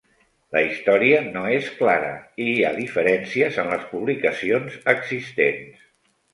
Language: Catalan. La història no és clara i hi ha diferències en les publicacions existents.